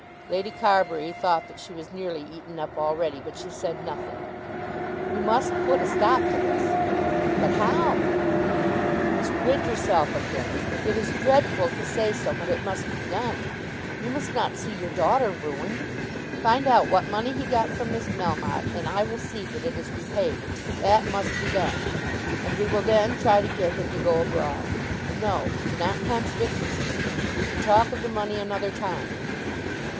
Lady Carbury thought that she was nearly eaten up already, but she said nothing. "You must put a stop to this." "But how?" "You must rid yourself of him. It is dreadful to say so, but it must be done. You must not see your daughter ruined. Find out what money he got from Miss Melmotte and I will see that it is repaid. That must be done; and we will then try to get him to go abroad. No; do not contradict me. We can talk of the money another time.